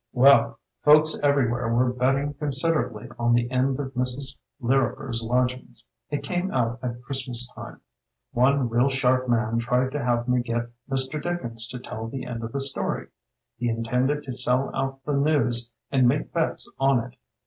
"Well, folks everywhere were bet ting considerably on the end of 'Mrs. Lirriper's Lodgings'. It came out at Christmas time. One real sharp man tried to have me get Mr. Dickens to tell the end of the story. He intended to sell out the news and make bets on it.